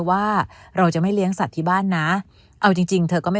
ว่าเราจะไม่เลี้ยงสัตว์ที่บ้านนะเอาจริงจริงเธอก็ไม่